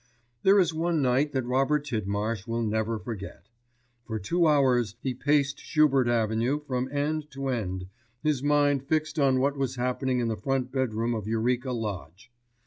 There is one night that Robert Tidmarsh will never forget. For two hours he paced Schubert Avenue from end to end, his mind fixed on what was happening in the front bedroom of Eureka Lodge.